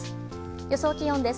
予想気温です。